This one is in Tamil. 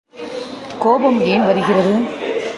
கோபம் ஏன் வருகிறது?